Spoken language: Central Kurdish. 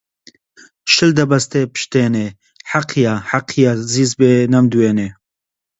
شل دەبەستێ پشتێنێ حەقیە حەقیە زیز بێ نەمدوێنێ